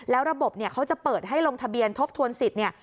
แล้วระบบเนี่ยเขาจะเปิดให้ลงทะเบียนทบทวนสิทธิ์เนี่ย